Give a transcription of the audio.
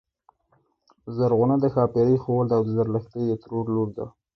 زرغونه د ښاپيرې خور ده او د زرلښتی د ترور لور ده